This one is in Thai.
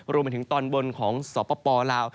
รวมไปถึงตอนบนของสปลาว